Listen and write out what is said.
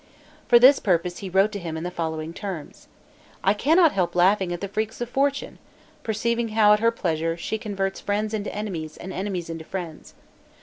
For this purpose, he wrote to him in the following terms: "I cannot help laughing at the freaks of fortune, perceiving how, at her pleasure, she converts friends into enemies, and enemies into friends.